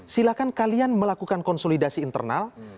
silahkan kalian melakukan konsolidasi internal